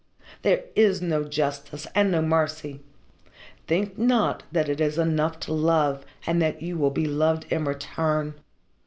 There is no justice and no mercy! Think not that it is enough to love and that you will be loved in return.